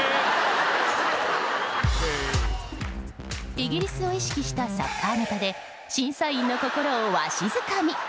イギリスを意識したサッカーネタで審査員の心をわしづかみ！